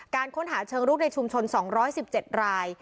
การค้นหาเชิงรุกในชุมชน๒๑๗ราย